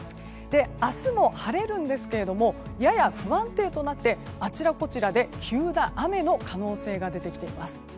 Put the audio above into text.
明日も晴れるんですがやや不安定となってあちらこちらで急な雨の可能性が出てきています。